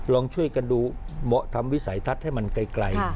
ลองช่วยกันดูเหมาะทำวิสัยทัศน์ให้มันไกล